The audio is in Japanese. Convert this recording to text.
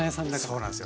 そうなんすよ。